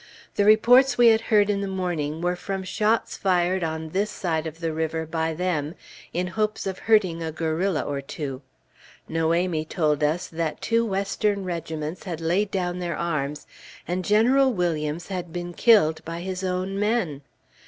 The reports we had heard in the morning were from shots fired on this side of the river by them, in hopes of hurting a guerrilla or two. Noémie told us that two Western regiments had laid down their arms, and General Williams had been killed by his own men.